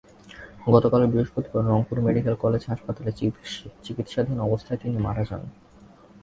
গতকাল বৃহস্পতিবার Rangpur medical college হাসপাতালে চিকিৎসাধীন অবস্থায় তিনি মারা যান।